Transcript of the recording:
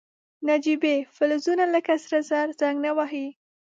نجیبه فلزونه لکه سره زر زنګ نه وهي.